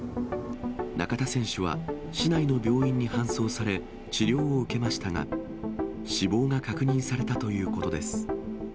中田選手は、市内の病院に搬送され、治療を受けましたが、死亡が確認されたということです。